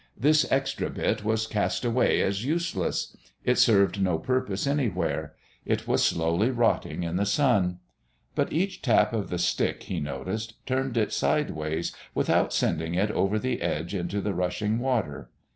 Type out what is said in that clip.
This extra bit was cast away as useless; it served no purpose anywhere; it was slowly rotting in the sun. But each tap of the stick, he noticed, turned it sideways without sending it over the edge into the rushing water.